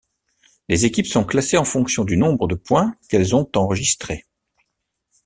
Les équipes sont classées en fonction du nombre de points qu'elles ont enregistré.